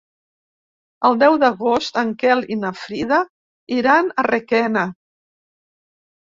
El deu d'agost en Quel i na Frida iran a Requena.